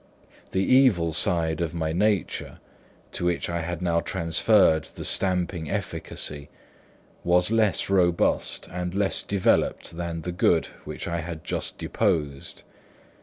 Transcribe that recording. The evil side of my nature, to which I had now transferred the stamping efficacy, was less robust and less developed than the good which I had just deposed.